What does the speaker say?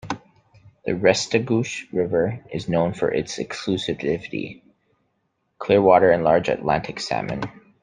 The Restigouche River is known for its exclusivity, clear water and large Atlantic salmon.